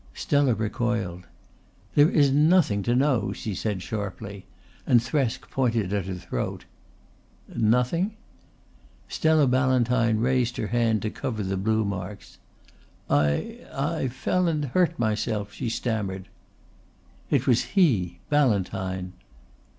Stella recoiled. "There is nothing to know," she said sharply, and Thresk pointed at her throat. "Nothing?" Stella Ballantyne raised her hand to cover the blue marks. "I I fell and hurt myself," she stammered. "It was he Ballantyne."